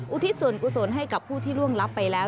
อุทิศส่วนกุศลให้กับผู้ที่ล่วงรับไปแล้ว